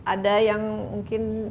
ada yang mungkin